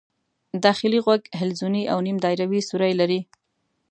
داخلي غوږ حلزوني او نیم دایروي سوري لري.